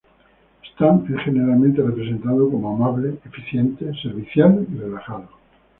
Stan es generalmente representado como amable, eficiente, servicial y relajado.